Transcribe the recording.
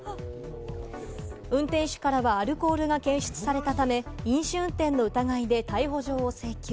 運転手からはアルコールが検出されたため、飲酒運転の疑いで逮捕状を請求。